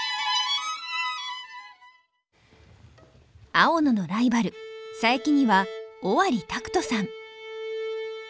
青野のライバル佐伯には尾張拓登さん。